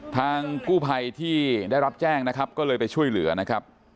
ทางกู้ภัยที่ได้รับแจ้งนะครับก็เลยไปช่วยเหลือนะครับ